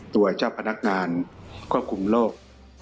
ตัวเจ้าพนักงานควบคุมโรค